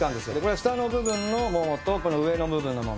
下の部分のももと上の部分のもも。